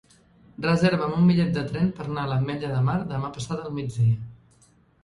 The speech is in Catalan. Reserva'm un bitllet de tren per anar a l'Ametlla de Mar demà passat al migdia.